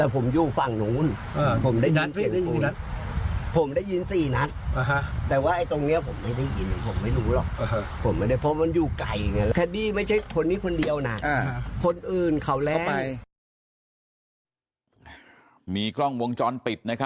ผมได้ยินสี่นัดแต่ว่าไอ้ตรงนี้ผมไม่ได้ยินผมไม่รู้หรอก